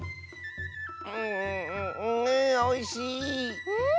んおいしい！